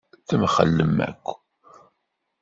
Temxellem akk.